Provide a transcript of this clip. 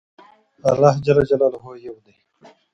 الله ج يو دی